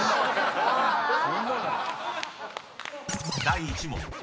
［第１問］